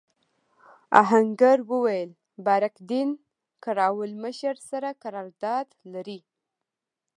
آهنګر وویل بارک دین قراوول مشر سره قرارداد لري.